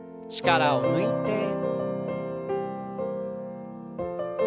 力を抜いて。